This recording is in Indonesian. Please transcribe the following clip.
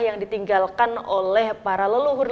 yang ditinggalkan oleh para leluhur